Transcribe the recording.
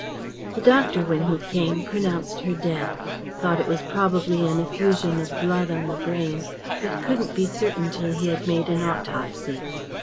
] The doctor when he came pronounced her dead, thought it was probably an effusion of blood on the brain but couldn't be certain till he had made an autopsy.